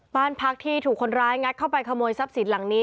บ้านพักที่ถูกคนร้ายงัดเข้าไปขโมยทรัพย์สินหลังนี้